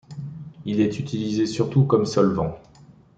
Il est utilisé surtout comme solvant.